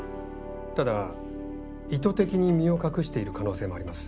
ただ意図的に身を隠している可能性もあります。